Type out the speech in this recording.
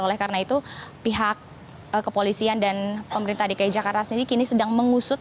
oleh karena itu pihak kepolisian dan pemerintah dki jakarta sendiri kini sedang mengusut